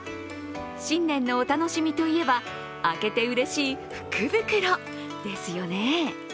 新年のお楽しみといえば開けてうれしい福袋ですよね。